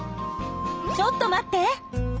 ちょっと待って。